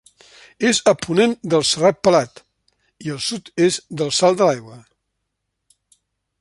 És a ponent del Serrat Pelat i al sud-est del Salt de l'Aigua.